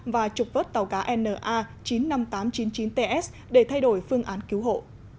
và trục vớt tàu cá na chín mươi năm nghìn tám trăm chín mươi chín ts để thay đổi phương án cứu hộ